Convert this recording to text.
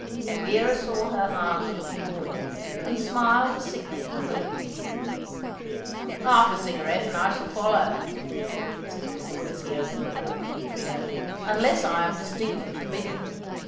Vera saw her aunt looking bored, and smiled the signal for moving. "Half a cigarette, and I shall follow," said Claude, as he opened the door for the trio, "unless I am distinctly forbidden."